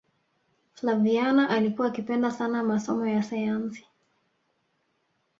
flaviana alikuwa akipenda sana masomo ya sayansi